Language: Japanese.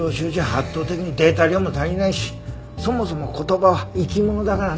圧倒的にデータ量も足りないしそもそも言葉は生き物だからね。